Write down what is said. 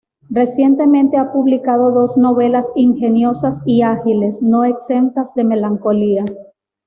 Recientemente ha publicado dos novelas ingeniosas y ágiles, no exentas de melancolía.